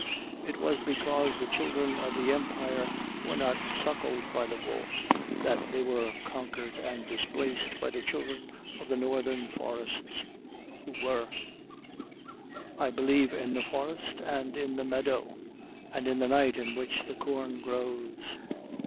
It was because the children of the Empire were not suckled by the wolf that they were conquered and displaced by the children of the Northern forests who were. I believe in the forest, and in the meadow, and in the night in which the corn grows.